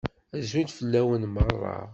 Azul fell-awen meṛṛa.